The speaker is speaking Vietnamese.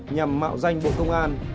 nhằm mạo danh bộ công an